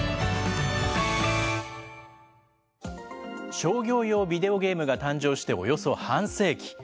商業用ビデオゲームが誕生して、およそ半世紀。